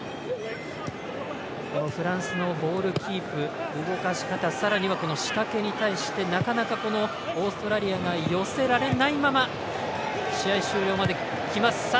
フランスのボールキープ動かし方さらには仕掛けに対してなかなか、オーストラリアが寄せられないまま試合終了まできます。